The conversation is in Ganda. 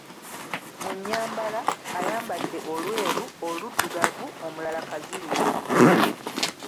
Mu nnyambala, ayambadde olweru, oluddugavu, omulala kazirungi.